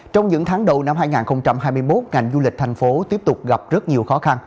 trong những tháng đầu năm hai nghìn hai mươi một ngành du lịch thành phố tiếp tục gặp rất nhiều khó khăn